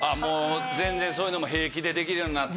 全然そういうのも平気でできるようになって。